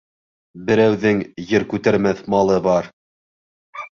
Берәүҙең ер күтәрмәҫ малы бар